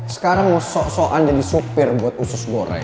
sekarang mau sok sokan jadi supir buat usus goreng